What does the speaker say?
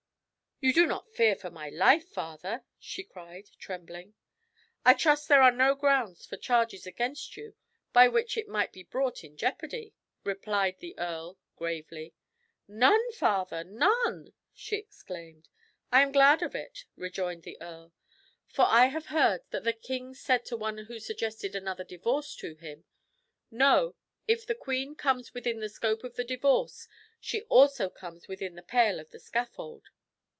"You do not fear for my life, father?" she cried, trembling. "I trust there are no grounds for charges against you by which it might be brought in jeopardy," replied the earl gravely. "None, father none!" she exclaimed. "I am glad of it," rejoined the earl; "for I have heard that the king said to one who suggested another divorce to him, 'No, if the queen comes within the scope of the divorce, she also comes within the pale of the scaffold.'"